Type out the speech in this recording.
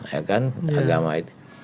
ya kan agama itu